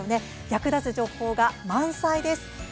役立つ情報満載です。